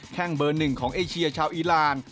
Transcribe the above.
แค่งเบอร์๑ของเอเชียชาวอีราน